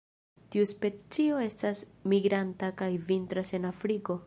Tiu specio estas migranta kaj vintras en Afriko.